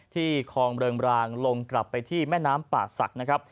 คลองเริงรางลงกลับไปที่แม่น้ำป่าศักดิ์นะครับ